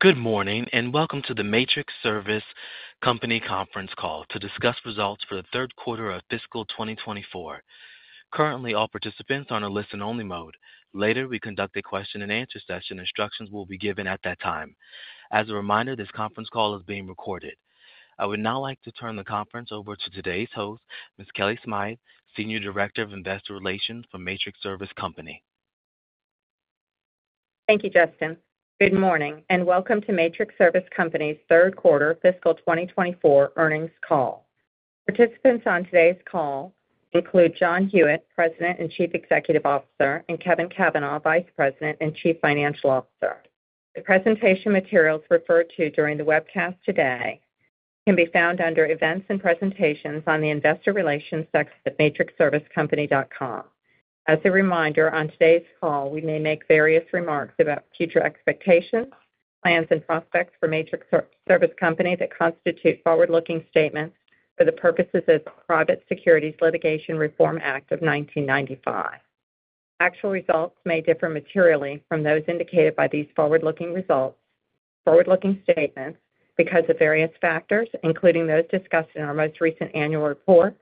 Good morning and welcome to the Matrix Service Company conference call to discuss results for the third quarter of fiscal 2024. Currently, all participants are in a listen-only mode. Later, we conduct a question-and-answer session. Instructions will be given at that time. As a reminder, this conference call is being recorded. I would now like to turn the conference over to today's host, Ms. Kellie Smythe, Senior Director of Investor Relations for Matrix Service Company. Thank you, Justin. Good morning and welcome to Matrix Service Company's third quarter fiscal 2024 earnings call. Participants on today's call include John Hewitt, President and Chief Executive Officer, and Kevin Cavanah, Vice President and Chief Financial Officer. The presentation materials referred to during the webcast today can be found under Events and Presentations on the Investor Relations section of matrixservicecompany.com. As a reminder, on today's call we may make various remarks about future expectations, plans, and prospects for Matrix Service Company that constitute forward-looking statements for the purposes of the Private Securities Litigation Reform Act of 1995. Actual results may differ materially from those indicated by these forward-looking statements because of various factors, including those discussed in our most recent annual report,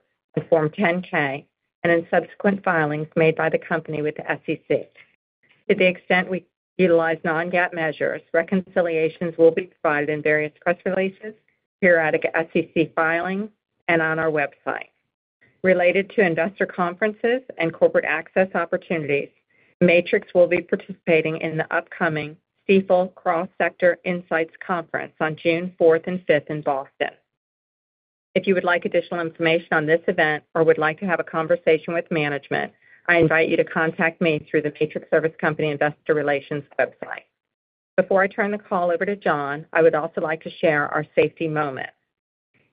Form 10-K, and in subsequent filings made by the company with the SEC. To the extent we utilize non-GAAP measures, reconciliations will be provided in various press releases, periodic SEC filings, and on our website. Related to investor conferences and corporate access opportunities, Matrix will be participating in the upcoming Stifel Cross Sector Insight Conference on June 4th and June 5th in Boston. If you would like additional information on this event or would like to have a conversation with management, I invite you to contact me through the Matrix Service Company Investor Relations website. Before I turn the call over to John, I would also like to share our safety moment.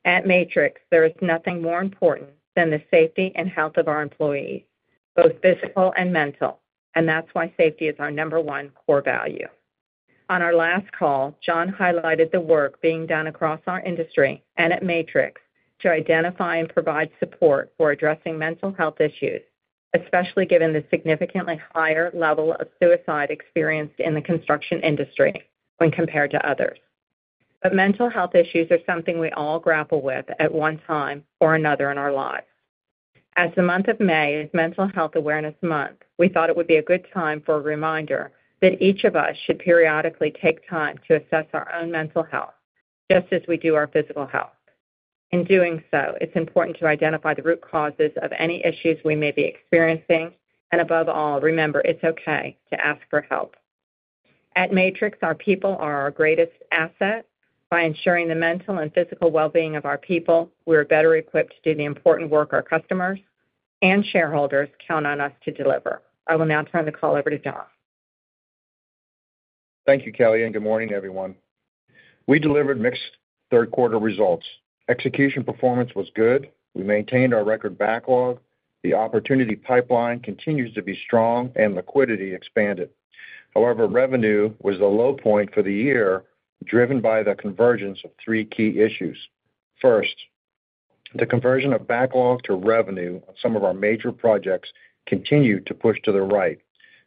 At Matrix, there is nothing more important than the safety and health of our employees, both physical and mental, and that's why safety is our number one core value. On our last call, John highlighted the work being done across our industry and at Matrix to identify and provide support for addressing mental health issues, especially given the significantly higher level of suicide experienced in the construction industry when compared to others. But mental health issues are something we all grapple with at one time or another in our lives. As the month of May is Mental Health Awareness Month, we thought it would be a good time for a reminder that each of us should periodically take time to assess our own mental health, just as we do our physical health. In doing so, it's important to identify the root causes of any issues we may be experiencing, and above all, remember it's okay to ask for help. At Matrix, our people are our greatest asset. By ensuring the mental and physical well-being of our people, we are better equipped to do the important work our customers and shareholders count on us to deliver. I will now turn the call over to John. Thank you, Kellie, and good morning, everyone. We delivered mixed third quarter results. Execution performance was good. We maintained our record backlog. The opportunity pipeline continues to be strong, and liquidity expanded. However, revenue was the low point for the year, driven by the convergence of three key issues. First, the conversion of backlog to revenue on some of our major projects continued to push to the right.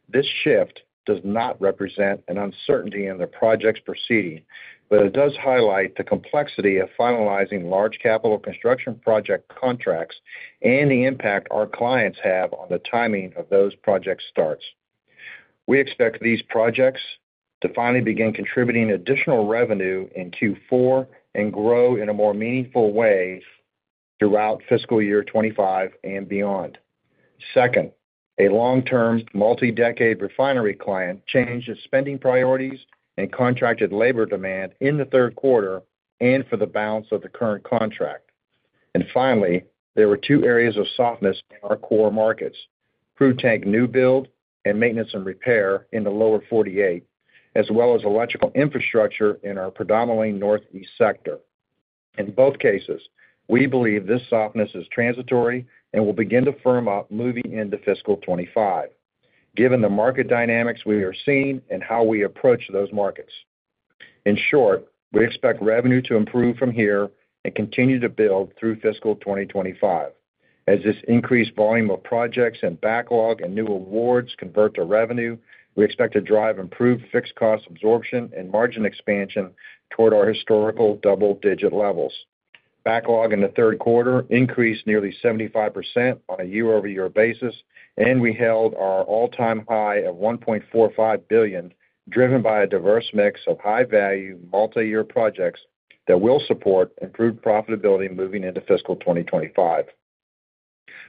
This shift does not represent an uncertainty in the projects proceeding, but it does highlight the complexity of finalizing large-capital construction project contracts and the impact our clients have on the timing of those project starts. We expect these projects to finally begin contributing additional revenue in Q4 and grow in a more meaningful way throughout fiscal year 2025 and beyond. Second, a long-term, multi-decade refinery client changed its spending priorities and contracted labor demand in the third quarter and for the balance of the current contract. And finally, there were two areas of softness in our core markets: crude tank new build and maintenance and repair in the Lower 48, as well as electrical infrastructure in our predominantly Northeast sector. In both cases, we believe this softness is transitory and will begin to firm up moving into fiscal 2025, given the market dynamics we are seeing and how we approach those markets. In short, we expect revenue to improve from here and continue to build through fiscal 2025. As this increased volume of projects and backlog and new awards convert to revenue, we expect to drive improved fixed cost absorption and margin expansion toward our historical double-digit levels. Backlog in the third quarter increased nearly 75% on a year-over-year basis, and we held our all-time high of $1.45 billion, driven by a diverse mix of high-value multi-year projects that will support improved profitability moving into fiscal 2025.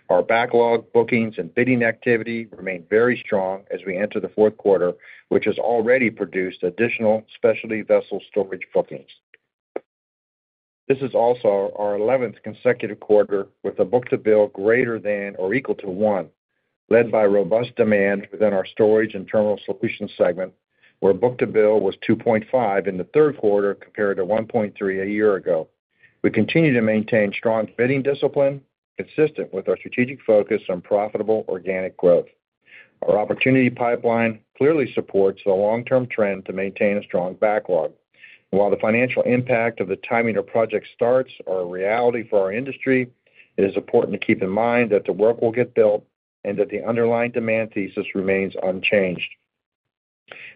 Our backlog bookings and bidding activity remain very strong as we enter the fourth quarter, which has already produced additional specialty vessel storage bookings. This is also our 11th consecutive quarter with a book-to-bill greater than or equal to one, led by robust demand within our Storage and Terminal Solutions segment, where book-to-bill was 2.5 in the third quarter compared to 1.3 a year ago. We continue to maintain strong bidding discipline, consistent with our strategic focus on profitable organic growth. Our opportunity pipeline clearly supports the long-term trend to maintain a strong backlog. While the financial impact of the timing of project starts is a reality for our industry, it is important to keep in mind that the work will get built and that the underlying demand thesis remains unchanged.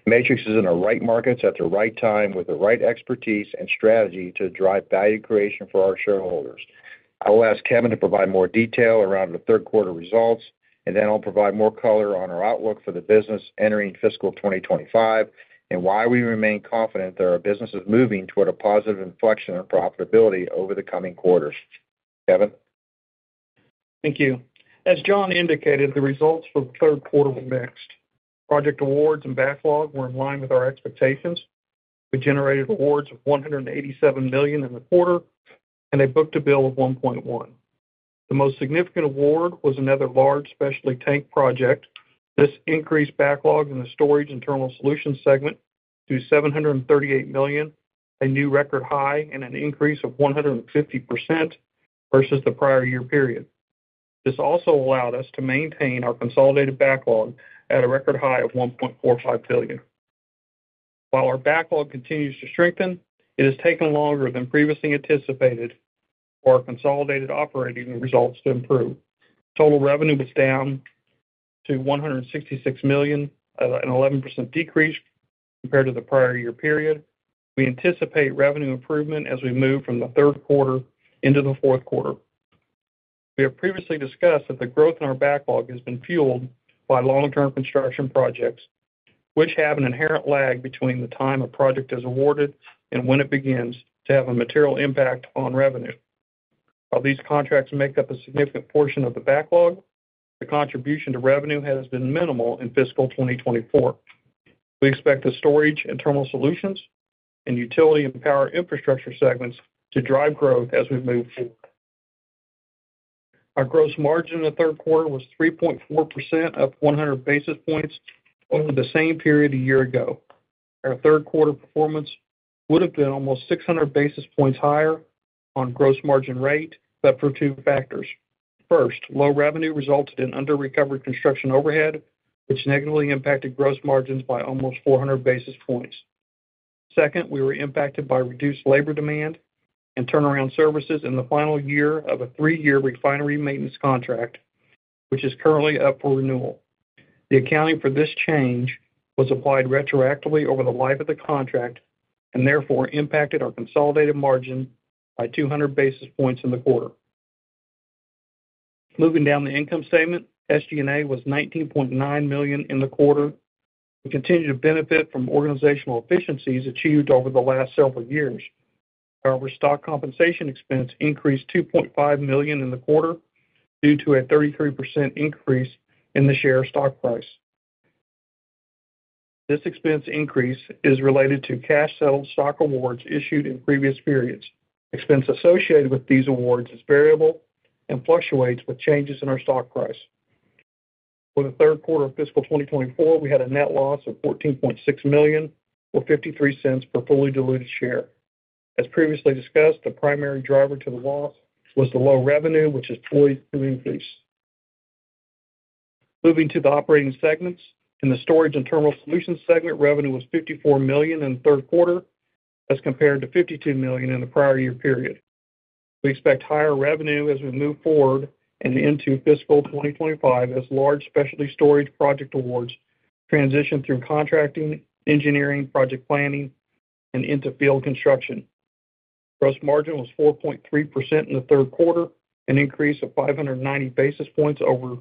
Matrix is in the right markets at the right time with the right expertise and strategy to drive value creation for our shareholders. I will ask Kevin to provide more detail around the third quarter results, and then I'll provide more color on our outlook for the business entering fiscal 2025 and why we remain confident there are businesses moving toward a positive inflection in profitability over the coming quarters. Kevin? Thank you. As John indicated, the results for the third quarter were mixed. Project awards and backlog were in line with our expectations. We generated awards of $187 million in the quarter and a book-to-bill of 1.1. The most significant award was another large specialty tank project. This increased backlog in the Storage and Terminal Solutions segment to $738 million, a new record high, and an increase of 150% versus the prior year period. This also allowed us to maintain our consolidated backlog at a record high of $1.45 billion. While our backlog continues to strengthen, it has taken longer than previously anticipated for our consolidated operating results to improve. Total revenue was down to $166 million, an 11% decrease compared to the prior year period. We anticipate revenue improvement as we move from the third quarter into the fourth quarter. We have previously discussed that the growth in our backlog has been fueled by long-term construction projects, which have an inherent lag between the time a project is awarded and when it begins to have a material impact on revenue. While these contracts make up a significant portion of the backlog, the contribution to revenue has been minimal in fiscal 2024. We expect the Storage and Terminal Solutions and Utility and Power Infrastructure segments to drive growth as we move forward. Our gross margin in the third quarter was 3.4% up 100 basis points over the same period a year ago. Our third quarter performance would have been almost 600 basis points higher on gross margin rate, but for two factors. First, low revenue resulted in under-recovered construction overhead, which negatively impacted gross margins by almost 400 basis points. Second, we were impacted by reduced labor demand and turnaround services in the final year of a three-year refinery maintenance contract, which is currently up for renewal. The accounting for this change was applied retroactively over the life of the contract and therefore impacted our consolidated margin by 200 basis points in the quarter. Moving down the income statement, SG&A was $19.9 million in the quarter. We continue to benefit from organizational efficiencies achieved over the last several years. However, stock compensation expense increased $2.5 million in the quarter due to a 33% increase in the share stock price. This expense increase is related to cash-settled stock awards issued in previous periods. Expense associated with these awards is variable and fluctuates with changes in our stock price. For the third quarter of fiscal 2024, we had a net loss of $14.6 million or $0.53 per fully diluted share. As previously discussed, the primary driver to the loss was the low revenue, which is poised to increase. Moving to the operating segments, in the Storage and Terminal Solutions segment, revenue was $54 million in the third quarter as compared to $52 million in the prior year period. We expect higher revenue as we move forward and into fiscal 2025 as large specialty storage project awards transition through contracting, engineering, project planning, and into field construction. Gross margin was 4.3% in the third quarter, an increase of 590 basis points over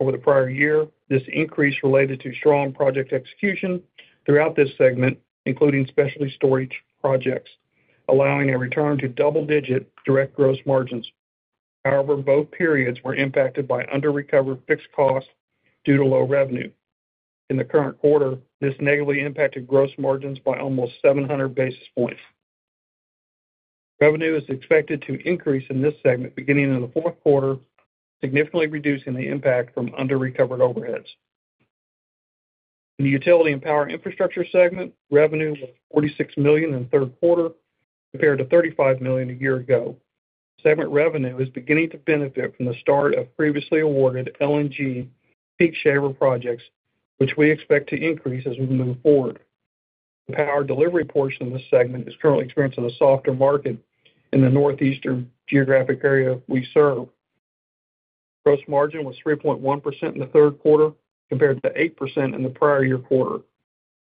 the prior year. This increase related to strong project execution throughout this segment, including specialty storage projects, allowing a return to double-digit direct gross margins. However, both periods were impacted by under-recovered fixed costs due to low revenue. In the current quarter, this negatively impacted gross margins by almost 700 basis points. Revenue is expected to increase in this segment beginning in the fourth quarter, significantly reducing the impact from under-recovered overheads. In the Utility and Power Infrastructure segment, revenue was $46 million in the third quarter compared to $35 million a year ago. Segment revenue is beginning to benefit from the start of previously awarded LNG peak shaver projects, which we expect to increase as we move forward. The power delivery portion of this segment is currently experiencing a softer market in the Northeastern geographic area we serve. Gross margin was 3.1% in the third quarter compared to 8% in the prior year quarter.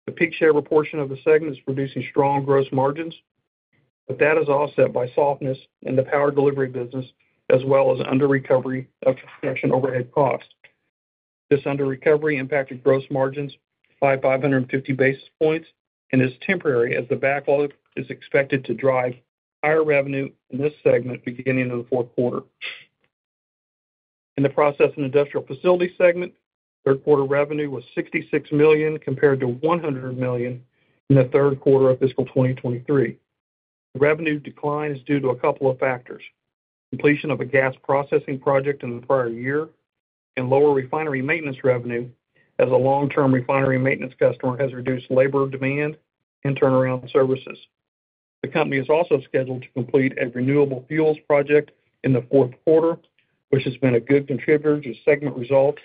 The peak shaver portion of the segment is producing strong gross margins, but that is offset by softness in the power delivery business as well as under-recovery of construction overhead costs. This under-recovery impacted gross margins by 550 basis points and is temporary, as the backlog is expected to drive higher revenue in this segment beginning in the fourth quarter. In the Process and Industrial Facilities segment, third quarter revenue was $66 million compared to $100 million in the third quarter of fiscal 2023. The revenue decline is due to a couple of factors: completion of a gas processing project in the prior year and lower refinery maintenance revenue, as a long-term refinery maintenance customer has reduced labor demand and turnaround services. The company is also scheduled to complete a renewable fuels project in the fourth quarter, which has been a good contributor to segment results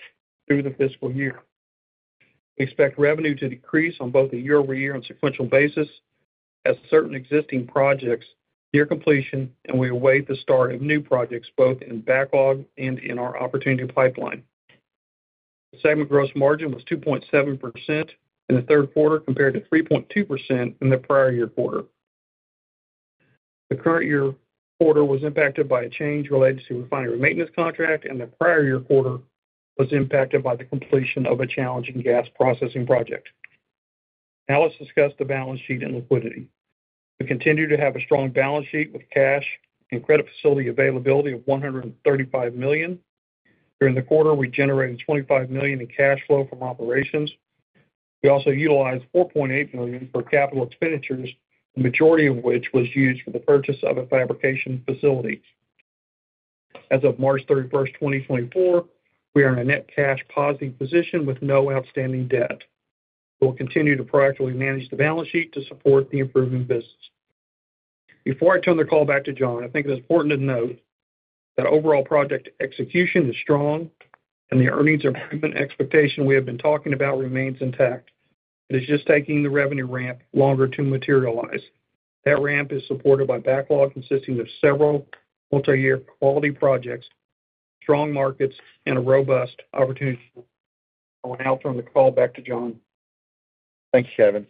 through the fiscal year. We expect revenue to decrease on both a year-over-year and sequential basis as certain existing projects near completion, and we await the start of new projects both in backlog and in our opportunity pipeline. The segment gross margin was 2.7% in the third quarter compared to 3.2% in the prior year quarter. The current year quarter was impacted by a change related to refinery maintenance contract, and the prior year quarter was impacted by the completion of a challenging gas processing project. Now let's discuss the balance sheet and liquidity. We continue to have a strong balance sheet with cash and credit facility availability of $135 million. During the quarter, we generated $25 million in cash flow from operations. We also utilized $4.8 million for capital expenditures, the majority of which was used for the purchase of a fabrication facility. As of March 31st, 2024, we are in a net cash positive position with no outstanding debt. We will continue to proactively manage the balance sheet to support the improving business. Before I turn the call back to John, I think it is important to note that overall project execution is strong, and the earnings improvement expectation we have been talking about remains intact. It is just taking the revenue ramp longer to materialize. That ramp is supported by backlog consisting of several multi-year quality projects, strong markets, and a robust opportunity pipeline. I will now turn the call back to John. Thanks, Kevin.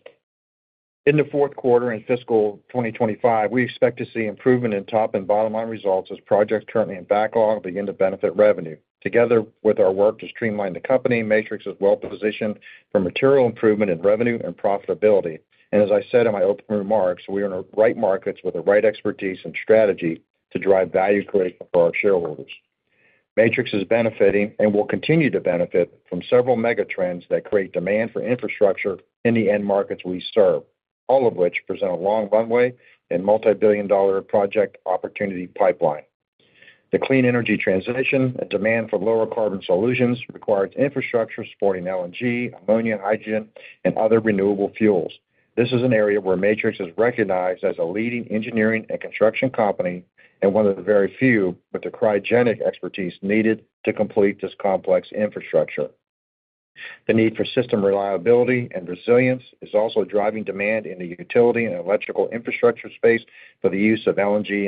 In the fourth quarter in fiscal 2025, we expect to see improvement in top and bottom line results as projects currently in backlog begin to benefit revenue. Together with our work to streamline the company, Matrix is well positioned for material improvement in revenue and profitability. As I said in my opening remarks, we are in the right markets with the right expertise and strategy to drive value creation for our shareholders. Matrix is benefiting and will continue to benefit from several mega trends that create demand for infrastructure in the end markets we serve, all of which present a long runway and multi-billion dollar project opportunity pipeline. The clean energy transition and demand for lower carbon solutions requires infrastructure supporting LNG, ammonia, hydrogen, and other renewable fuels. This is an area where Matrix is recognized as a leading engineering and construction company and one of the very few with the cryogenic expertise needed to complete this complex infrastructure. The need for system reliability and resilience is also driving demand in the utility and electrical infrastructure space for the use of LNG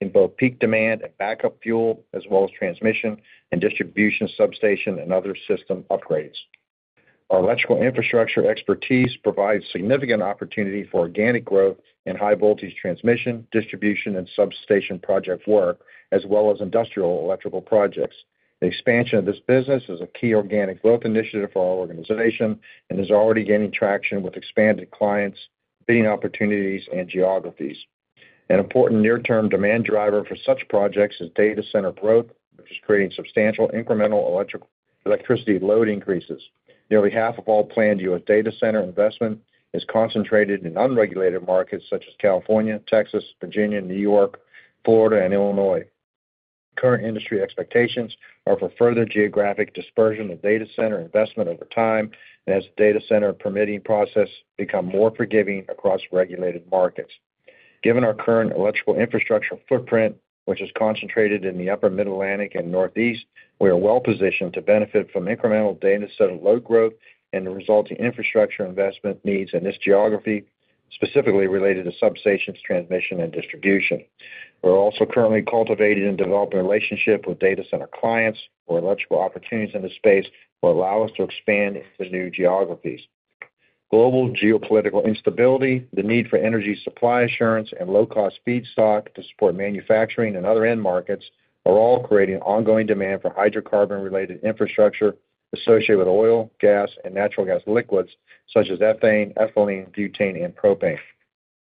in both peak demand and backup fuel, as well as transmission and distribution substation and other system upgrades. Our electrical infrastructure expertise provides significant opportunity for organic growth in high voltage transmission, distribution, and substation project work, as well as industrial electrical projects. The expansion of this business is a key organic growth initiative for our organization and is already gaining traction with expanded clients, bidding opportunities, and geographies. An important near-term demand driver for such projects is data center growth, which is creating substantial incremental electricity load increases. Nearly half of all planned U.S. data center investment is concentrated in unregulated markets such as California, Texas, Virginia, New York, Florida, and Illinois. Current industry expectations are for further geographic dispersion of data center investment over time as data center permitting processes become more forgiving across regulated markets. Given our current electrical infrastructure footprint, which is concentrated in the upper Mid-Atlantic and Northeast, we are well positioned to benefit from incremental data center load growth and the resulting infrastructure investment needs in this geography, specifically related to substations transmission and distribution. We're also currently cultivating and developing a relationship with data center clients where electrical opportunities in this space will allow us to expand into new geographies. Global geopolitical instability, the need for energy supply assurance, and low-cost feedstock to support manufacturing and other end markets are all creating ongoing demand for hydrocarbon-related infrastructure associated with oil, gas, and natural gas liquids such as ethane, ethylene, butane, and propane.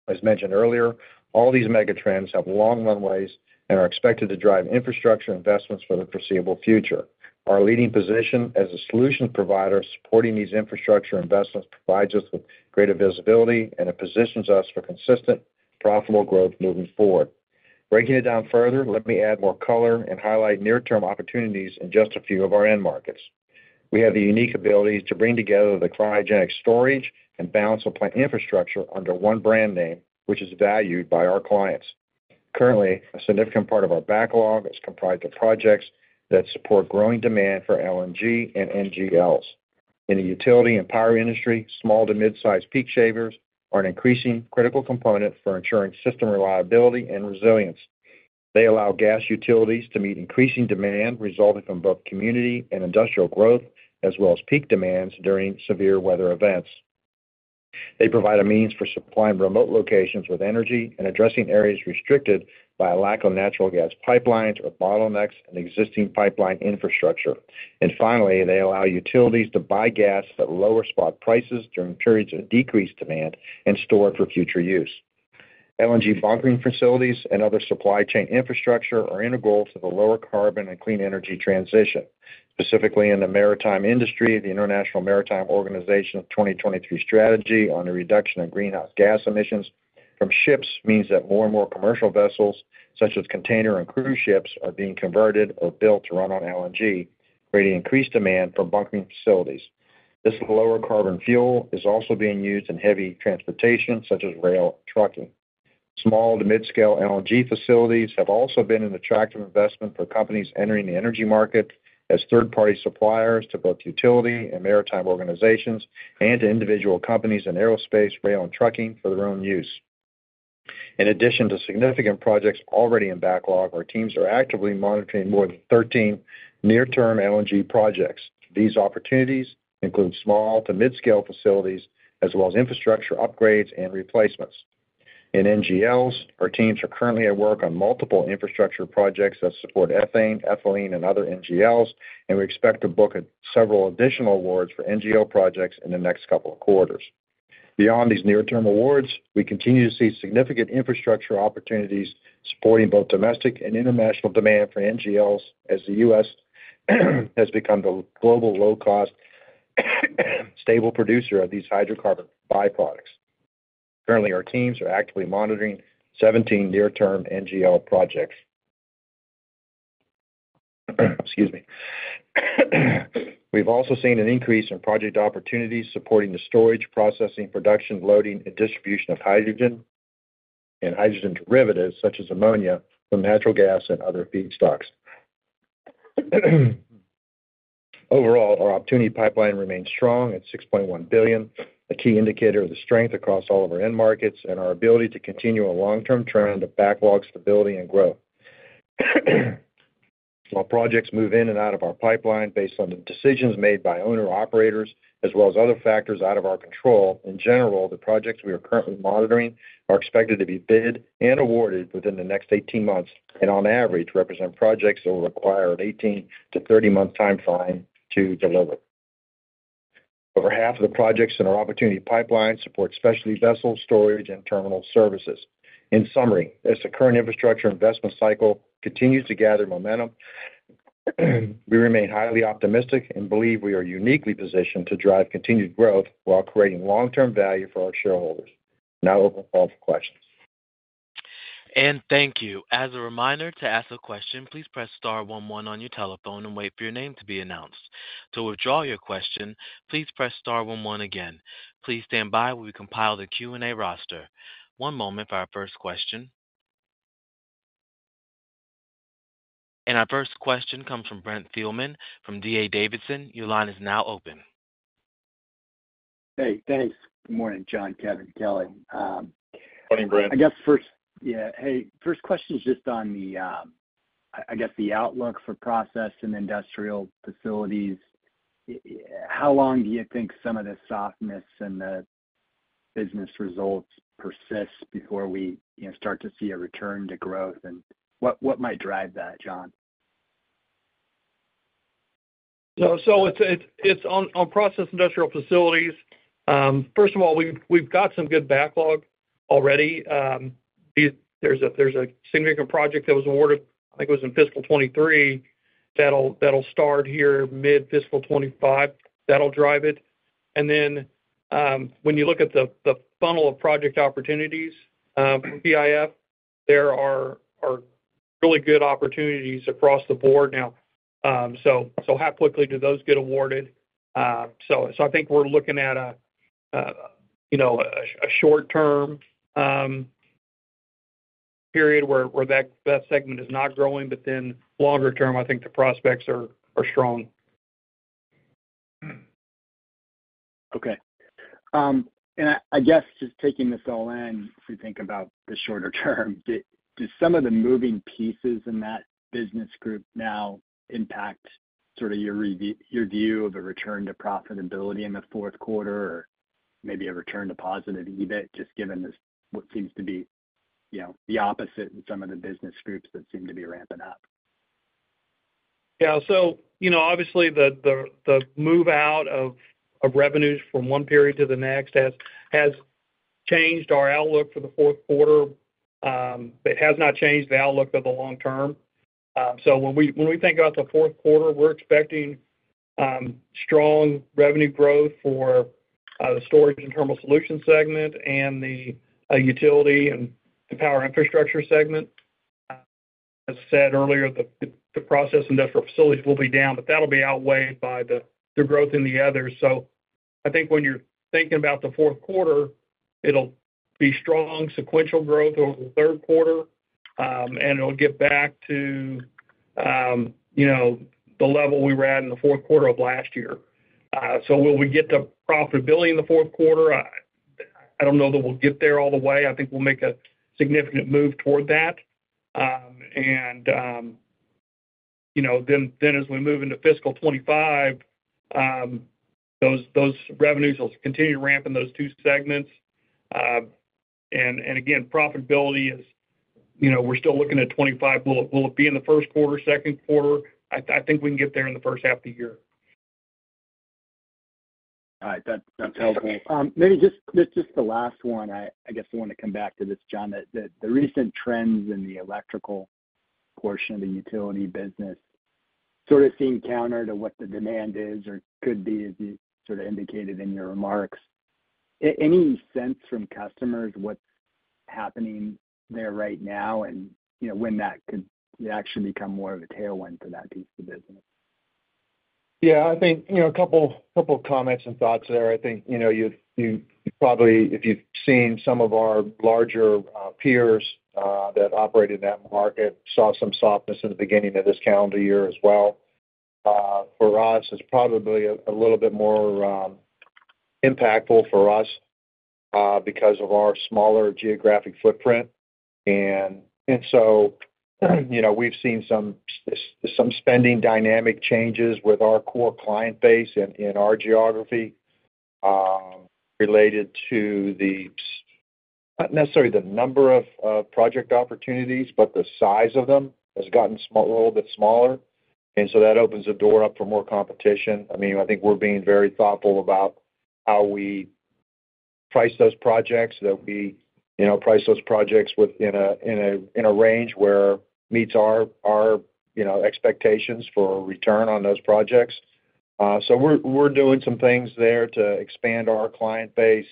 As mentioned earlier, all these mega trends have long runways and are expected to drive infrastructure investments for the foreseeable future. Our leading position as a solutions provider supporting these infrastructure investments provides us with greater visibility and positions us for consistent, profitable growth moving forward. Breaking it down further, let me add more color and highlight near-term opportunities in just a few of our end markets. We have the unique ability to bring together the cryogenic storage and balance of plant infrastructure under one brand name, which is valued by our clients. Currently, a significant part of our backlog is comprised of projects that support growing demand for LNG and NGLs. In the utility and power industry, small to midsize peak shavers are an increasing critical component for ensuring system reliability and resilience. They allow gas utilities to meet increasing demand resulting from both community and industrial growth, as well as peak demands during severe weather events. They provide a means for supplying remote locations with energy and addressing areas restricted by a lack of natural gas pipelines or bottlenecks in existing pipeline infrastructure. Finally, they allow utilities to buy gas at lower spot prices during periods of decreased demand and store it for future use. LNG bunkering facilities and other supply chain infrastructure are integral to the lower carbon and clean energy transition. Specifically in the maritime industry, the International Maritime Organization's 2023 strategy on the reduction of greenhouse gas emissions from ships means that more and more commercial vessels such as container and cruise ships are being converted or built to run on LNG, creating increased demand for bunkering facilities. This lower carbon fuel is also being used in heavy transportation such as rail and trucking. Small to mid-scale LNG facilities have also been an attractive investment for companies entering the energy market as third-party suppliers to both utility and maritime organizations and to individual companies in aerospace, rail, and trucking for their own use. In addition to significant projects already in backlog, our teams are actively monitoring more than 13 near-term LNG projects. These opportunities include small to mid-scale facilities as well as infrastructure upgrades and replacements. In NGLs, our teams are currently at work on multiple infrastructure projects that support ethane, ethylene, and other NGLs, and we expect to book several additional awards for NGL projects in the next couple of quarters. Beyond these near-term awards, we continue to see significant infrastructure opportunities supporting both domestic and international demand for NGLs as the U.S. has become the global low-cost stable producer of these hydrocarbon byproducts. Currently, our teams are actively monitoring 17 near-term NGL projects. Excuse me. We've also seen an increase in project opportunities supporting the storage, processing, production, loading, and distribution of hydrogen and hydrogen derivatives such as ammonia from natural gas and other feedstocks. Overall, our opportunity pipeline remains strong at $6.1 billion, a key indicator of the strength across all of our end markets and our ability to continue a long-term trend of backlog stability and growth. While projects move in and out of our pipeline based on the decisions made by owner-operators as well as other factors out of our control, in general, the projects we are currently monitoring are expected to be bid and awarded within the next 18 months and on average represent projects that will require an 18- to 30-month timeframe to deliver. Over half of the projects in our opportunity pipeline support specialty vessel storage and terminal services. In summary, as the current infrastructure investment cycle continues to gather momentum, we remain highly optimistic and believe we are uniquely positioned to drive continued growth while creating long-term value for our shareholders. Now, open call for questions. Thank you. As a reminder, to ask a question, please press star one-one on your telephone and wait for your name to be announced. To withdraw your question, please press star one-one again. Please stand by while we compile the Q&A roster. One moment for our first question. Our first question comes from Brent Thielman from D.A. Davidson. Your line is now open. Hey, thanks. Good morning, John, Kevin, Kellie. Morning, Brent. I guess the first question is just on the outlook for Process and Industrial Facilities. How long do you think some of this softness in the business results persist before we start to see a return to growth? And what might drive that, John? So it's on Process and Industrial Facilities. First of all, we've got some good backlog already. There's a significant project that was awarded, I think it was in fiscal 2023, that'll start here mid-fiscal 2025. That'll drive it. And then when you look at the funnel of project opportunities for PIF, there are really good opportunities across the board now. So how quickly do those get awarded? So I think we're looking at a short-term period where that segment is not growing, but then longer term, I think the prospects are strong. Okay. And I guess just taking this all in, if we think about the shorter term, do some of the moving pieces in that business group now impact sort of your view of a return to profitability in the fourth quarter or maybe a return to positive EBIT, just given what seems to be the opposite in some of the business groups that seem to be ramping up? Yeah. So obviously, the move out of revenues from one period to the next has changed our outlook for the fourth quarter. It has not changed the outlook of the long term. So when we think about the fourth quarter, we're expecting strong revenue growth for the Storage and Terminal Solution segment and the Utility and Power Infrastructure segment. As I said earlier, the Process and Industrial Facilities will be down, but that'll be outweighed by the growth in the others. So I think when you're thinking about the fourth quarter, it'll be strong sequential growth over the third quarter, and it'll get back to the level we were at in the fourth quarter of last year. So will we get to profitability in the fourth quarter? I don't know that we'll get there all the way. I think we'll make a significant move toward that. And then as we move into fiscal 2025, those revenues will continue ramping those two segments. And again, profitability, we're still looking at 2025. Will it be in the first quarter, second quarter? I think we can get there in the first half of the year. All right. That's helpful. Maybe just the last one, I guess I want to come back to this, John, that the recent trends in the electrical portion of the utility business sort of seem counter to what the demand is or could be, as you sort of indicated in your remarks. Any sense from customers what's happening there right now and when that could actually become more of a tailwind for that piece of business? Yeah. I think a couple of comments and thoughts there. I think you've probably, if you've seen some of our larger peers that operate in that market, saw some softness in the beginning of this calendar year as well. For us, it's probably a little bit more impactful for us because of our smaller geographic footprint. And so we've seen some spending dynamic changes with our core client base in our geography related to the not necessarily the number of project opportunities, but the size of them has gotten a little bit smaller. And so that opens the door up for more competition. I mean, I think we're being very thoughtful about how we price those projects, that we price those projects in a range where it meets our expectations for return on those projects. So we're doing some things there to expand our client base,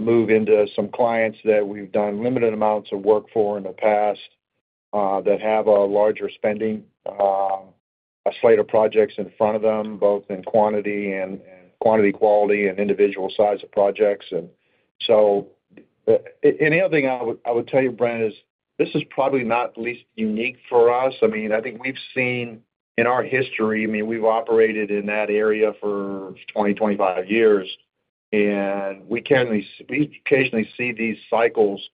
move into some clients that we've done limited amounts of work for in the past that have a larger spending, a slate of projects in front of them, both in quantity and quality and individual size of projects. And so the only other thing I would tell you, Brent, is this is probably not at least unique for us. I mean, I think we've seen in our history, I mean, we've operated in that area for 20, 25 years, and we occasionally see these cycles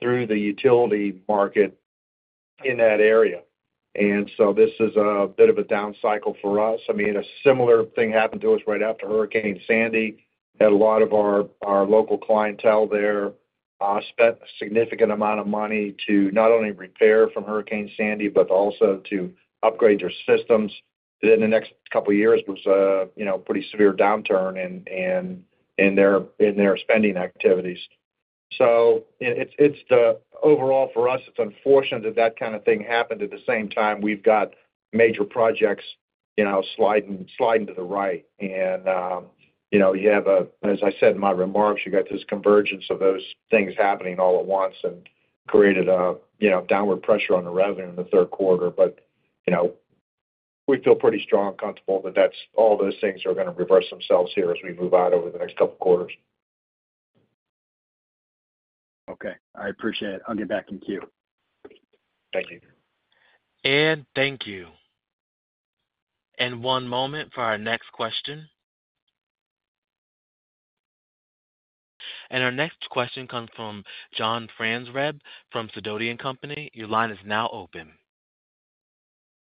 through the utility market in that area. And so this is a bit of a down cycle for us. I mean, a similar thing happened to us right after Hurricane Sandy at a lot of our local clientele there. Spent a significant amount of money to not only repair from Hurricane Sandy, but also to upgrade their systems. The next couple of years was a pretty severe downturn in their spending activities. Overall, for us, it's unfortunate that that kind of thing happened at the same time we've got major projects sliding to the right. You have, as I said in my remarks, you got this convergence of those things happening all at once and created downward pressure on the revenue in the third quarter. We feel pretty strong and comfortable that all those things are going to reverse themselves here as we move out over the next couple of quarters. Okay. I appreciate it. I'll get back in queue. Thank you. Thank you. One moment for our next question. Our next question comes from John Franzreb from Sidoti & Company. Your line is now open.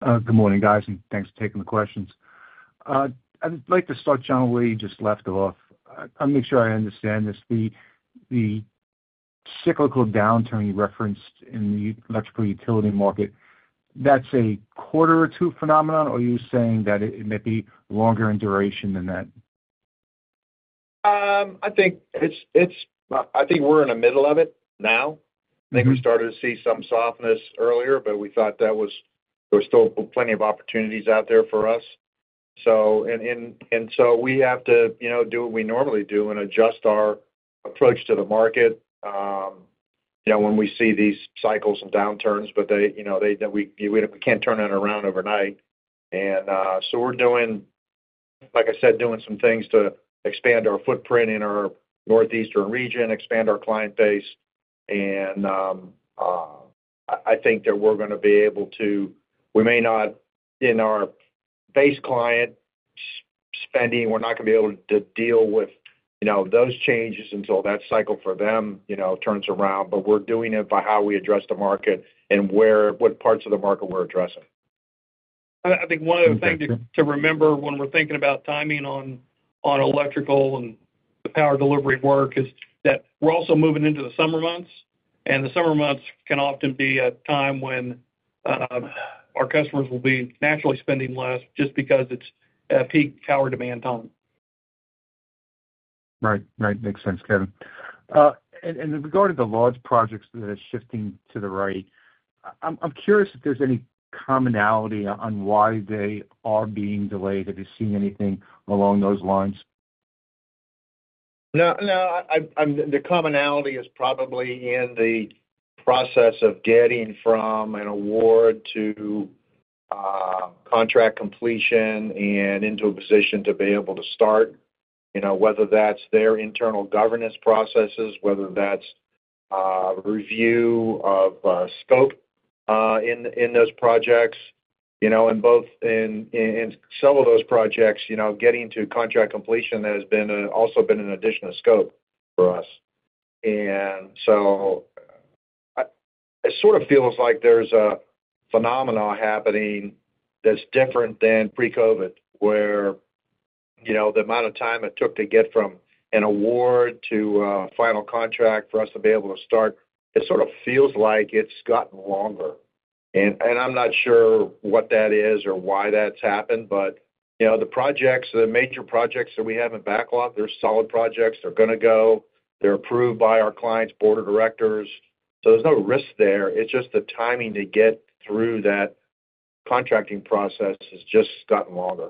Good morning, guys, and thanks for taking the questions. I'd like to start, John, where you just left off. I want to make sure I understand this. The cyclical downturn you referenced in the electrical utility market, that's a quarter or two phenomenon, or are you saying that it may be longer in duration than that? I think we're in the middle of it now. I think we started to see some softness earlier, but we thought there was still plenty of opportunities out there for us. And so we have to do what we normally do and adjust our approach to the market when we see these cycles and downturns, but we can't turn that around overnight. And so we're, like I said, doing some things to expand our footprint in our Northeastern region, expand our client base. And I think that we're going to be able to we may not in our base client spending, we're not going to be able to deal with those changes until that cycle for them turns around. But we're doing it by how we address the market and what parts of the market we're addressing. I think one other thing to remember when we're thinking about timing on electrical and the power delivery work is that we're also moving into the summer months. The summer months can often be a time when our customers will be naturally spending less just because it's a peak power demand time. Right. Right. Makes sense, Kevin. And in regard to the large projects that are shifting to the right, I'm curious if there's any commonality on why they are being delayed. Have you seen anything along those lines? No. The commonality is probably in the process of getting from an award to contract completion and into a position to be able to start, whether that's their internal governance processes, whether that's review of scope in those projects. And in several of those projects, getting to contract completion has also been an addition of scope for us. And so it sort of feels like there's a phenomenon happening that's different than pre-COVID, where the amount of time it took to get from an award to final contract for us to be able to start, it sort of feels like it's gotten longer. And I'm not sure what that is or why that's happened, but the major projects that we have in backlog, they're solid projects. They're going to go. They're approved by our client's board of directors. So there's no risk there. It's just the timing to get through that contracting process has just gotten longer.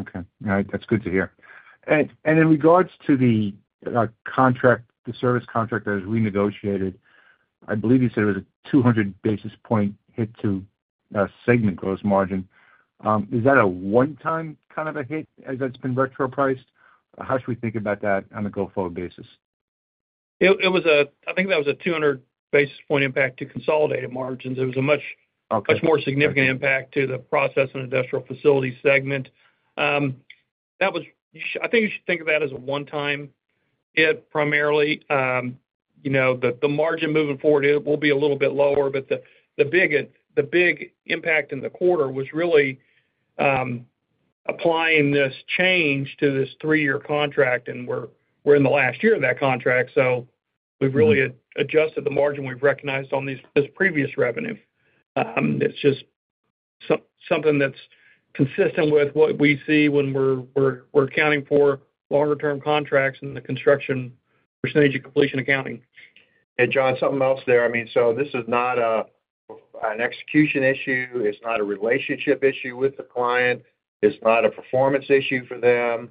Okay. All right. That's good to hear. In regards to the service contract that has renegotiated, I believe you said it was a 200 basis point hit to segment gross margin. Is that a one-time kind of a hit as that's been retro priced? How should we think about that on a go-forward basis? I think that was a 200 basis points impact to consolidated margins. It was a much more significant impact to the Process and Industrial Facilities segment. I think you should think of that as a one-time hit primarily. The margin moving forward will be a little bit lower, but the big impact in the quarter was really applying this change to this three-year contract, and we're in the last year of that contract. So we've really adjusted the margin we've recognized on this previous revenue. It's just something that's consistent with what we see when we're accounting for longer-term contracts and the construction percentage of completion accounting. Hey, John, something else there. I mean, so this is not an execution issue. It's not a relationship issue with the client. It's not a performance issue for them.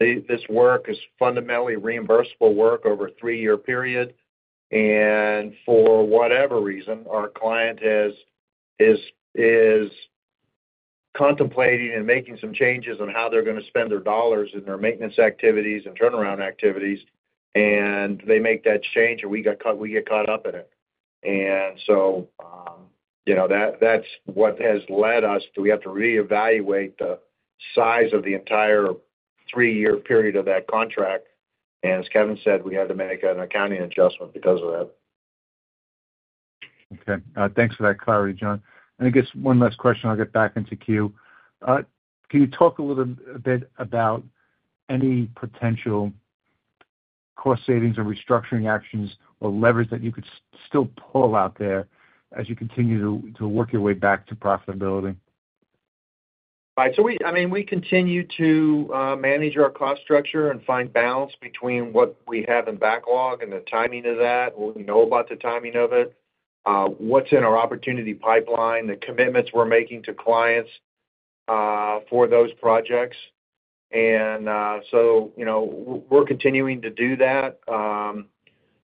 This work is fundamentally reimbursable work over a three-year period. And for whatever reason, our client is contemplating and making some changes on how they're going to spend their dollars in their maintenance activities and turnaround activities, and they make that change, and we get caught up in it. And so that's what has led us to we have to reevaluate the size of the entire three-year period of that contract. And as Kevin said, we had to make an accounting adjustment because of that. Okay. Thanks for that clarity, John. And I guess one last question. I'll get back into queue. Can you talk a little bit about any potential cost savings or restructuring actions or leverage that you could still pull out there as you continue to work your way back to profitability? Right. So I mean, we continue to manage our cost structure and find balance between what we have in backlog and the timing of that. We know about the timing of it, what's in our opportunity pipeline, the commitments we're making to clients for those projects. And so we're continuing to do that.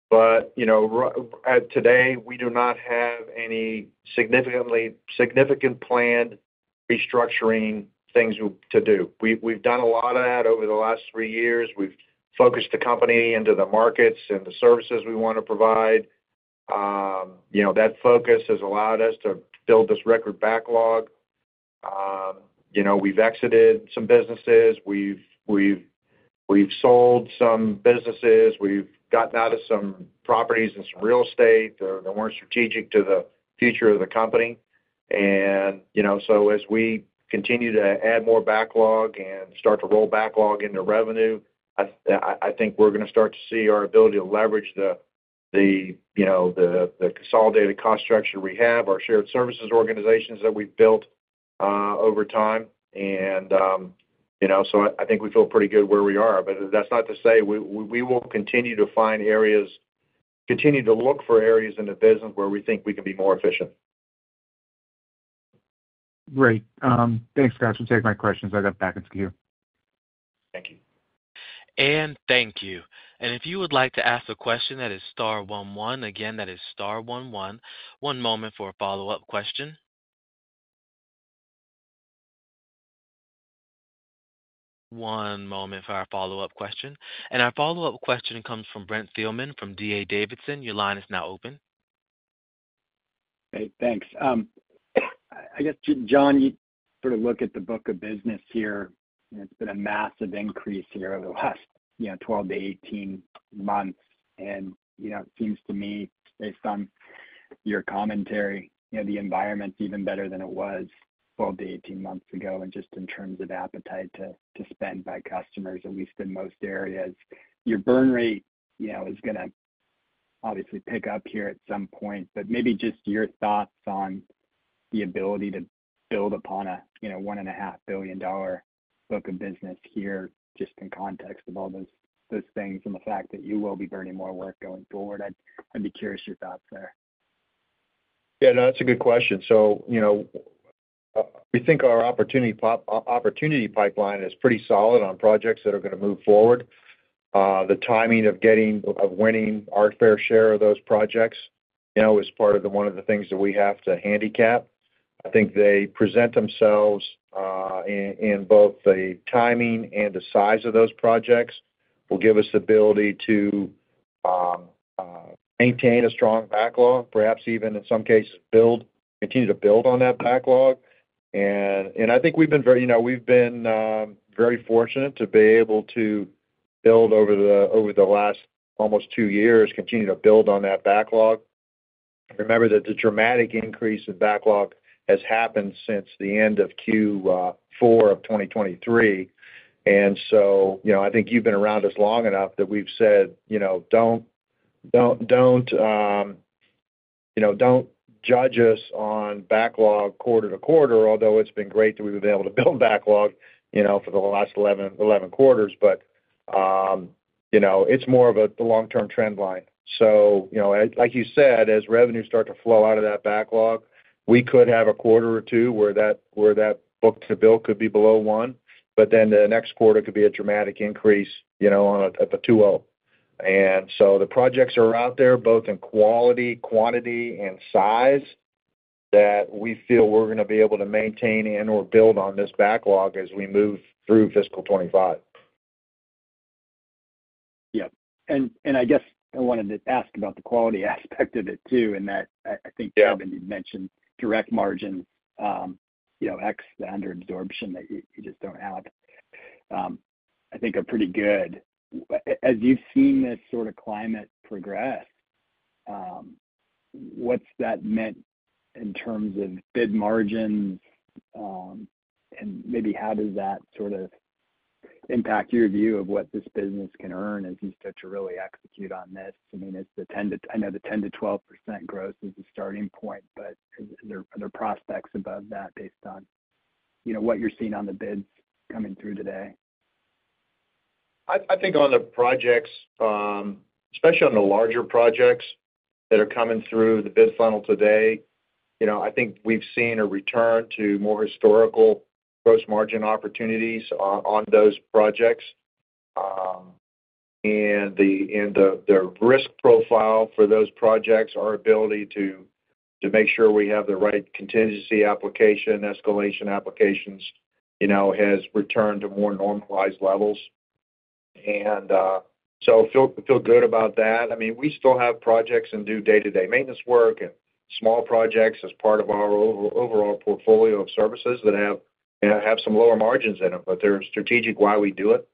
But today, we do not have any significantly planned restructuring things to do. We've done a lot of that over the last three years. We've focused the company into the markets and the services we want to provide. That focus has allowed us to build this record backlog. We've exited some businesses. We've sold some businesses. We've gotten out of some properties and some real estate that weren't strategic to the future of the company. And so as we continue to add more backlog and start to roll backlog into revenue, I think we're going to start to see our ability to leverage the consolidated cost structure we have, our shared services organizations that we've built over time. And so I think we feel pretty good where we are. But that's not to say we will continue to find areas, continue to look for areas in the business where we think we can be more efficient. Great. Thanks, guys. We'll take my questions. I'll get back into queue. Thank you. And thank you. And if you would like to ask a question that is star one-one, again, that is star one-one, one moment for a follow-up question. One moment for our follow-up question. And our follow-up question comes from Brent Thielman from D.A. Davidson. Your line is now open. Hey. Thanks. I guess, John, you sort of look at the book of business here. It's been a massive increase here over the last 12 months-18 months. And it seems to me, based on your commentary, the environment's even better than it was 12-18 months ago and just in terms of appetite to spend by customers, at least in most areas. Your burn rate is going to obviously pick up here at some point. But maybe just your thoughts on the ability to build upon a $1.5 billion book of business here just in context of all those things and the fact that you will be burning more work going forward. I'd be curious your thoughts there. Yeah. No, that's a good question. So we think our opportunity pipeline is pretty solid on projects that are going to move forward. The timing of winning our fair share of those projects is one of the things that we have to handicap. I think they present themselves in both the timing and the size of those projects will give us the ability to maintain a strong backlog, perhaps even in some cases, continue to build on that backlog. And I think we've been very we've been very fortunate to be able to build over the last almost two years, continue to build on that backlog. Remember that the dramatic increase in backlog has happened since the end of Q4 of 2023. And so I think you've been around us long enough that we've said, "Don't judge us on backlog quarter to quarter," although it's been great that we've been able to build backlog for the last 11 quarters. But it's more of a long-term trend line. So like you said, as revenues start to flow out of that backlog, we could have a quarter or two where that book-to-bill could be below 1, but then the next quarter could be a dramatic increase at the 2.0. And so the projects are out there, both in quality, quantity, and size, that we feel we're going to be able to maintain and/or build on this backlog as we move through fiscal 2025. Yep. And I guess I wanted to ask about the quality aspect of it too, in that I think Kevin had mentioned direct margins, X, the under absorption that you just don't have, I think are pretty good. As you've seen this sort of climate progress, what's that meant in terms of bid margins? And maybe how does that sort of impact your view of what this business can earn as you start to really execute on this? I mean, I know the 10%-12% gross is the starting point, but are there prospects above that based on what you're seeing on the bids coming through today? I think on the projects, especially on the larger projects that are coming through the bid funnel today, I think we've seen a return to more historical gross margin opportunities on those projects. The risk profile for those projects, our ability to make sure we have the right contingency application, escalation applications, has returned to more normalized levels. So I feel good about that. I mean, we still have projects and do day-to-day maintenance work and small projects as part of our overall portfolio of services that have some lower margins in them, but they're strategic why we do it.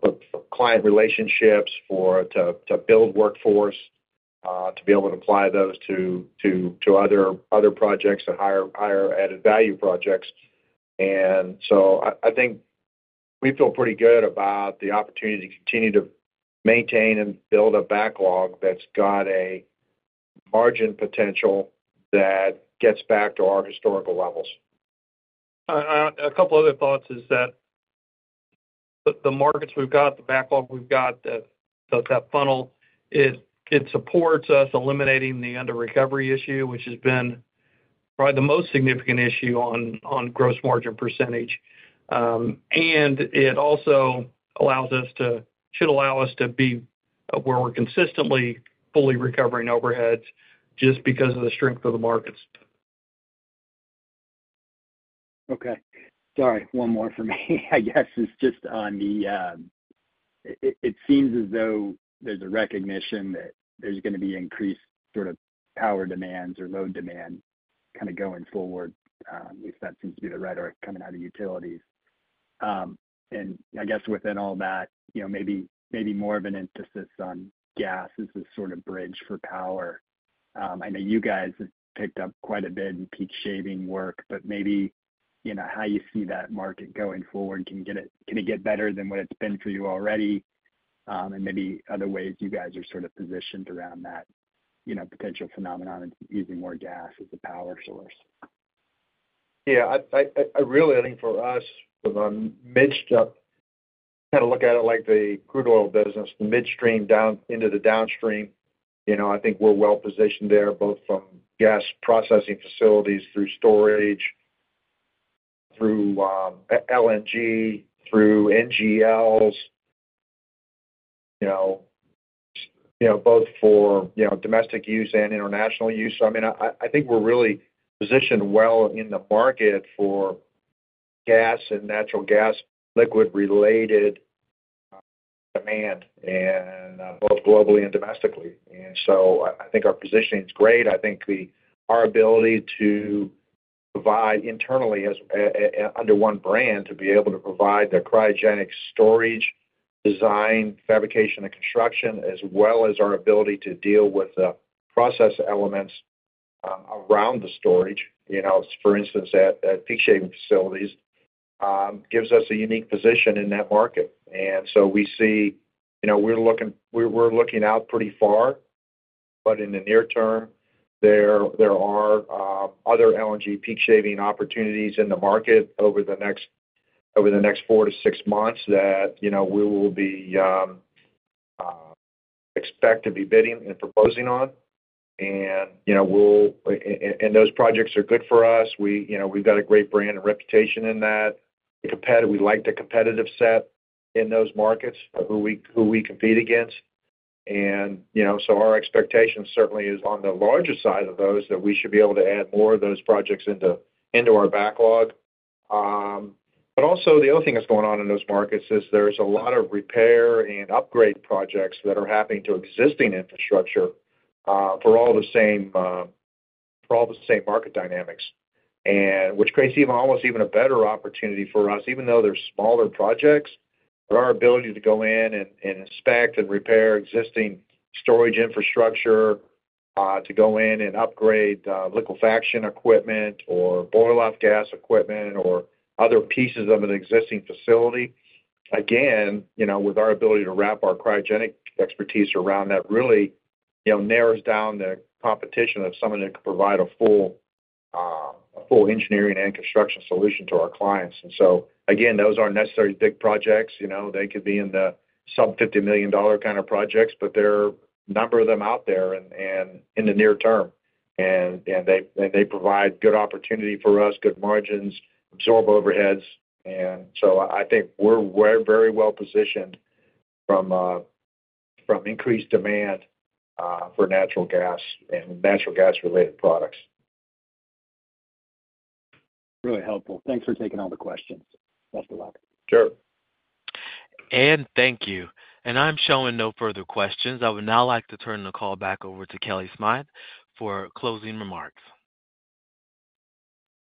But for client relationships, to build workforce, to be able to apply those to other projects, to higher-added value projects. And so I think we feel pretty good about the opportunity to continue to maintain and build a backlog that's got a margin potential that gets back to our historical levels. A couple of other thoughts is that the markets we've got, the backlog we've got, that funnel, it supports us eliminating the under-recovery issue, which has been probably the most significant issue on gross margin percentage. And it also should allow us to be where we're consistently fully recovering overheads just because of the strength of the markets. Okay. Sorry. One more for me, I guess, is just on the. It seems as though there's a recognition that there's going to be increased sort of power demands or load demand kind of going forward, at least that seems to be the right arc coming out of utilities. And I guess within all that, maybe more of an emphasis on gas as this sort of bridge for power. I know you guys have picked up quite a bit in peak shaving work, but maybe how you see that market going forward. Can it get better than what it's been for you already? And maybe other ways you guys are sort of positioned around that potential phenomenon of using more gas as a power source. Yeah. Really, I think for us, on midstream, kind of look at it like the crude oil business, the midstream down into the downstream. I think we're well-positioned there, both from gas processing facilities through storage, through LNG, through NGLs, both for domestic use and international use. So I mean, I think we're really positioned well in the market for gas and natural gas liquid-related demand, both globally and domestically. And so I think our positioning's great. I think our ability to provide internally under one brand, to be able to provide the cryogenic storage design, fabrication, and construction, as well as our ability to deal with the process elements around the storage, for instance, at peak shaving facilities, gives us a unique position in that market. And so we see we're looking out pretty far. But in the near term, there are other LNG peak shaving opportunities in the market over the next four to six months that we will expect to be bidding and proposing on. And those projects are good for us. We've got a great brand and reputation in that. We like the competitive set in those markets who we compete against. And so our expectation certainly is on the larger side of those that we should be able to add more of those projects into our backlog. But also, the other thing that's going on in those markets is there's a lot of repair and upgrade projects that are happening to existing infrastructure for all the same market dynamics, which creates almost even a better opportunity for us, even though they're smaller projects, for our ability to go in and inspect and repair existing storage infrastructure, to go in and upgrade liquefaction equipment or boil-off gas equipment or other pieces of an existing facility. Again, with our ability to wrap our cryogenic expertise around that, really narrows down the competition of someone that could provide a full engineering and construction solution to our clients. And so again, those aren't necessarily big projects. They could be in the sub-$50 million kind of projects, but there are a number of them out there in the near term. They provide good opportunity for us, good margins, absorb overheads. So I think we're very well-positioned from increased demand for natural gas and natural gas-related products. Really helpful. Thanks for taking all the questions. Best of luck. Sure. Thank you. I'm showing no further questions. I would now like to turn the call back over to Kellie Smythe for closing remarks.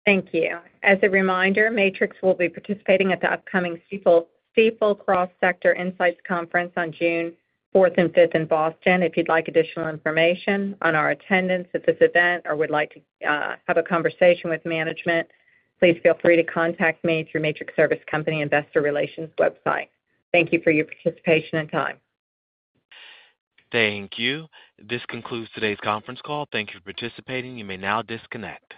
Thank you. As a reminder, Matrix will be participating at the upcoming Stifel Cross Sector Insight Conference on June 4th and June 5th in Boston. If you'd like additional information on our attendance at this event or would like to have a conversation with management, please feel free to contact me through Matrix Service Company Investor Relations website. Thank you for your participation and time. Thank you. This concludes today's conference call. Thank you for participating. You may now disconnect.